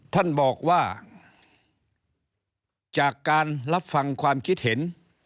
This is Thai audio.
ท่านบอกว่าจากการรับฟังความคิดเห็น